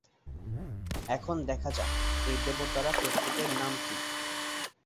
এখন দেখা যাক, এই দেবতারা প্রত্যেকের নাম কি?